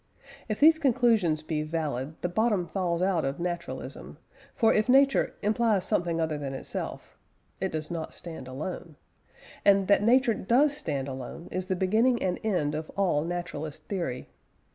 If these conclusions be valid, the bottom falls out of Naturalism, for if nature "implies something other than itself," it does not stand alone; and that nature does stand alone is the beginning and end of all naturalist theory.